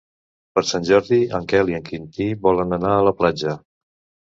Per Sant Jordi en Quel i en Quintí volen anar a la platja.